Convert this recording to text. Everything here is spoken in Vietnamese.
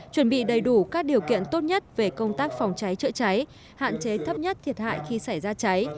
chuẩn bị đầy đủ các điều kiện tốt nhất về công tác phòng cháy chữa cháy hạn chế thấp nhất thiệt hại khi xảy ra cháy